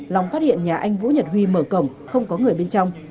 long phát hiện nhà anh vũ nhật huy mở cổng không có người bên trong